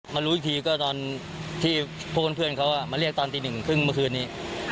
รู้อีกทีก็ตอนที่พวกเพื่อนเขามาเรียกตอนตีหนึ่งครึ่งเมื่อคืนนี้